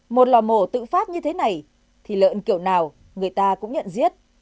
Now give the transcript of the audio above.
một lò mổ tự phát như thế này thì lợn kiểu nào người ta cũng nhận giết